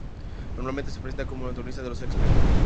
Normalmente se presentan como antagonistas de los X-Men.